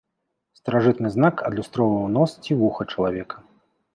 Старажытны знак адлюстроўваў нос ці вуха чалавека.